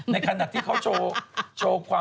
ในขณะที่เขาโชว์เปล่าว่า